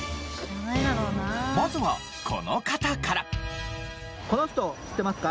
まずはこの方から。